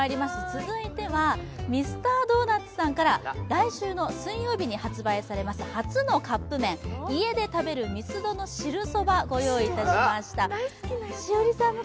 続いては、ミスタードーナツさんから来週の水曜日に発売されます初のカップ麺、家で食べるミスドの汁そばをご用意しました。